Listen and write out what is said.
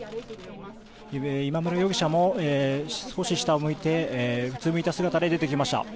今村容疑者も少し下を向いてうつむいた姿で出てきました。